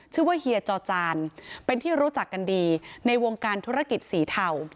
เฮียจอจานเป็นที่รู้จักกันดีในวงการธุรกิจสีเทา